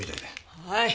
はい。